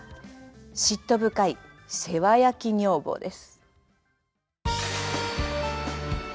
嫉妬深い世話焼き女房です。